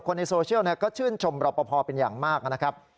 ในโซเชียลก็ชื่นชมรอปภเป็นอย่างมากนะครับ